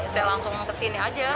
saya langsung kesini aja